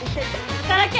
働け！